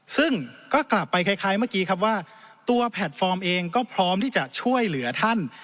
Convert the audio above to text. ซึ่งก็กลับไปคล้ายเมื่อกี้ครับว่าตัวแพลตฟอร์มเองก็พร้อมที่จะช่วยเหลือท่าน